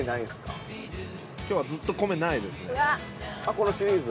このシリーズ？